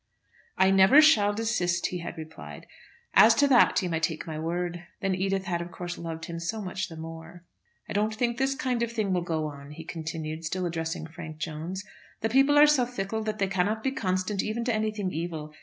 "I never shall desist," he had replied. "As to that you may take my word." Then Edith had of course loved him so much the more. "I don't think this kind of thing will go on," he continued, still addressing Frank Jones. "The people are so fickle that they cannot be constant even to anything evil.